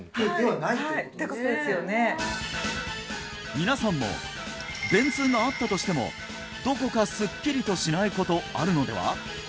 皆さんも便通があったとしてもどこかすっきりとしないことあるのでは？